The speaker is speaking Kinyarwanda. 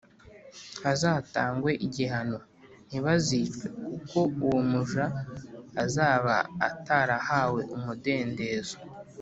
hazatangwe igihano Ntibazicwe kuko uwo muja azaba atarahawe umudendezo